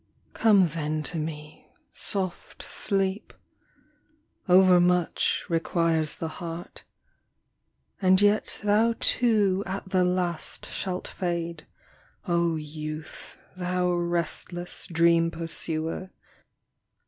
Come then to me, soft Sleep. Overmuch requires The heart ; and yet thou too at the last shalt fade, Oh youth, thou restless dream pursuer